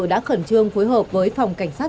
đã khẩn trương phối hợp với phòng cảnh sát